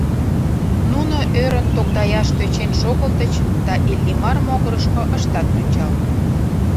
Нуно ӧрын тогдаяш тӧчен шогылтыч да Иллимар могырышко ыштат ончал.